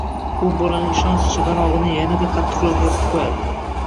u bolaning ishonch chig‘anog‘ini yana-da qattiqroq yopib qo‘yadi.